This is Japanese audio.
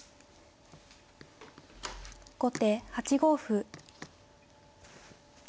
後手８五歩。